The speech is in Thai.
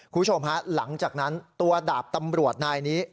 คุณผู้ชมฮะหลังจากนั้นตัวดาบตำรวจนายนี้